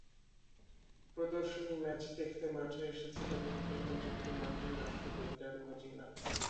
প্রদর্শনী ম্যাচ দেখতে মাঠে এসেছিলেন ঢাকায় নিযুক্ত মার্কিন রাষ্ট্রদূত ড্যান মজীনা।